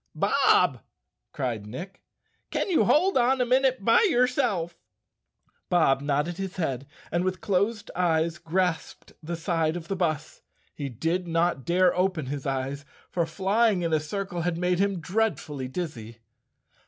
"Bob," cried Nick, "can you hold on a minute by yourself?" Bob nodded his head and with closed eyes 190 _ Chapter Fourteen grasped the side of the bus. He did not dare open his eyes, for flying in a circle had made him dreadfully dizzy.